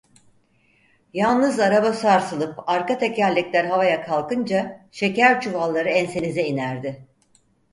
Yalnız araba sarsılıp arka tekerlekler havaya kalkınca şeker çuvalları ensenize inerdi!